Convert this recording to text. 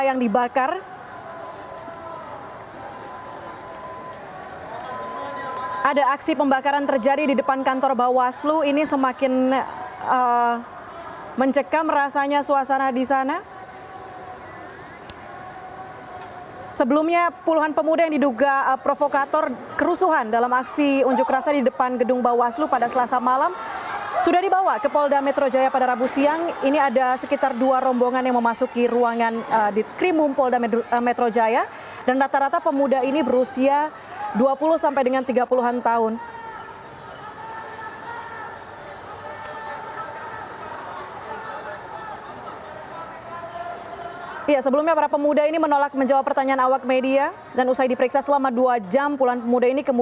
yang anda dengar saat ini sepertinya adalah ajakan untuk berjuang bersama kita untuk keadilan dan kebenaran saudara saudara